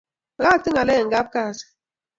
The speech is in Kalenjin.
Pakaten Ngalek en kapkasi